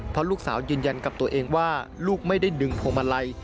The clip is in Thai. เพราะลูกสาวยืนยันกับตัวเองว่าลูกไม่ได้ดึงพวงมาลัย